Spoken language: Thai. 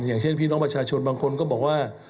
อย่างเช่นพี่น้องประชาชนบางคนก็บอกว่า